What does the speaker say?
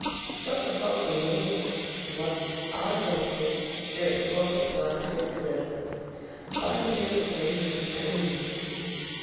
But about the Longwoods; well, I tell Dick they've a perfect right to get rid of him, finding him a dangerous enemy, you see.